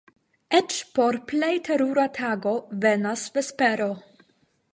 Eĉ por plej terura tago venas vespero.